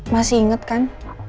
masih inget kan